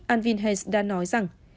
alvin hess đã nói rằng